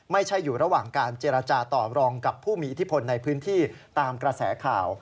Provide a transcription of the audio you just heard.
ไม่ใช่อยู่ระหว่างการเจรจาต่อรองกับผู้มีอิทธิพลในพื้นที่ตามกระแสข่าว